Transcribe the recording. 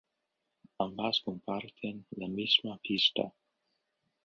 Ambas comparten la misma pista.